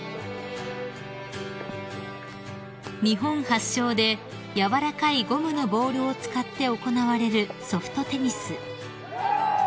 ［日本発祥でやわらかいゴムのボールを使って行われるソフトテニス］